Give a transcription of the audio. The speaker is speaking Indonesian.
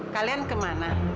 kalian ke mana